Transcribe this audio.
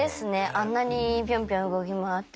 あんなにピョンピョン動き回ってるのに。